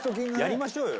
やりましょうよ。